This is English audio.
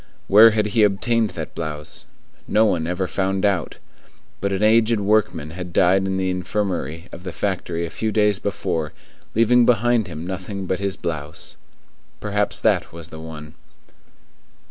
Where had he obtained that blouse? No one ever found out. But an aged workman had died in the infirmary of the factory a few days before, leaving behind him nothing but his blouse. Perhaps that was the one.